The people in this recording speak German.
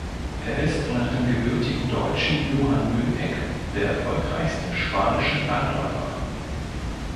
Er ist nach dem gebürtigen Deutschen Johann Mühlegg der erfolgreichste spanische Langläufer.